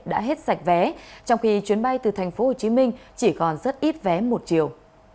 đã hết sạch vé trong khi chuyến bay từ tp hcm chỉ còn rất ít vé một chiều